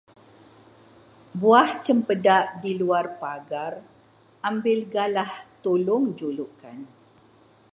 Buah cempedak di luar pagar, ambil galah tolong jolokkan.